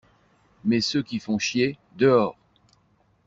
Mais ceux qui font chier, dehors!